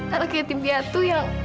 anak yatim piatu yang